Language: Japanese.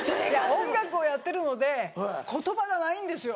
音楽をやってるので言葉がないんですよ。